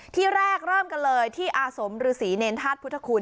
ที่แรกเริ่มกันเลยที่อาสมฤษีเนรธาตุพุทธคุณ